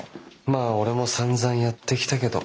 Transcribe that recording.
まあ俺もさんざんやってきたけど。